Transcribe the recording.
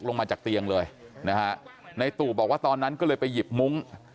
ลงมาจากเตียงเลยนะฮะในตู่บอกว่าตอนนั้นก็เลยไปหยิบมุ้ง